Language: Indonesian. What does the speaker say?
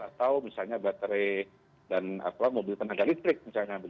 atau misalnya baterai dan mobil tenaga listrik misalnya